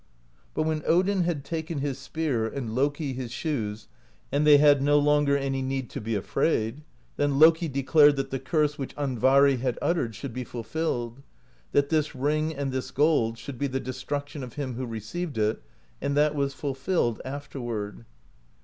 But when Odin had taken his spear, and Loki his shoes, and they had no longer any need to be afraid, then Loki declared that the curse which Andvari had uttered should be fulfilled: that this ring and this gold should be the destruction of him who received it; and that was fulfilled afterward.